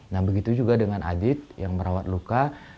nah begitu juga dengan adit yang merawat luka